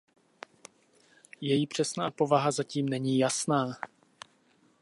Její přesná povaha zatím není jasná.